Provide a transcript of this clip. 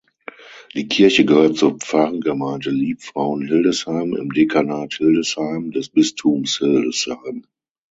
Die Kirche gehört zur Pfarrgemeinde Liebfrauen Hildesheim im Dekanat Hildesheim des Bistums Hildesheim.